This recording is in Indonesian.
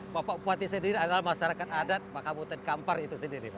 bapak kuatir sendiri adalah masyarakat adat makam hutan kampar itu sendiri